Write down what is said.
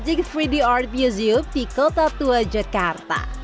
gigit tiga d art museum di kota tua jakarta